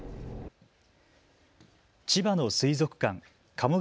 千葉の水族館鴨川